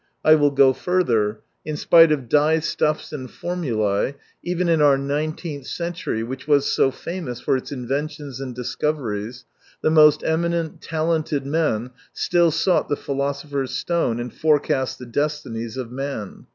I will go further : in spite of 175 dye stuffs and formulae, even in our nine teenth century, which was so famous for its inventions and discoveries, the most eminent, talented men still sought the philosopher's stone and forecast the destinies of man.